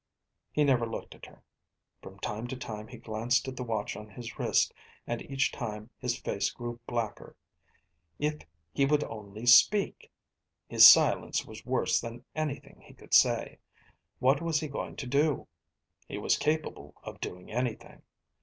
He never looked at her. From time to time he glanced at the watch on his wrist and each time his face grew blacker. If he would only speak! His silence was worse than anything he could say. What was he going to do? He was capable of doing anything.